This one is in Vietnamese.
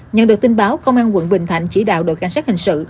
nhận được tin báo công an quận bình thạnh chỉ đạo đội cảnh sát hình sự